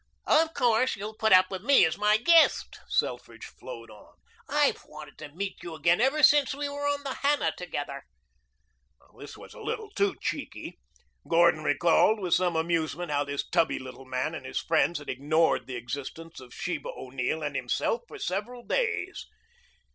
"Of course you'll put up with me as my guest," Selfridge flowed on. "I've wanted to meet you again ever since we were on the Hannah together." This was a little too cheeky. Gordon recalled with some amusement how this tubby little man and his friends had ignored the existence of Sheba O'Neill and himself for several days.